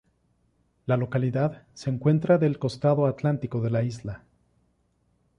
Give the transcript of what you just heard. La localidad se encuentra del costado Atlántico de la isla.